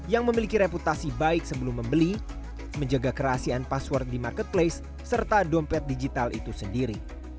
yang memiliki reputasi baik sebelum membeli menjaga kerahasiaan password di marketplace serta dompet digital itu sendiri